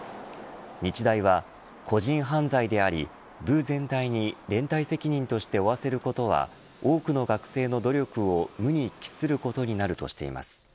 日大は、個人犯罪であり部全体に連帯責任として負わせることは多くの学生の努力を無に帰することになるとしています。